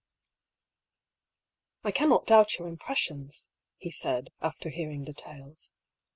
''I cannot doubt your impressions," he said, after hearing details.